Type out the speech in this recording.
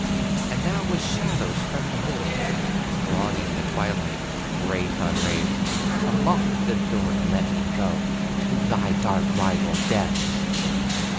And now, with shadows from the hills Thronging the twilight, wraith on wraith, Unlock the door and let me go To thy dark rival Death!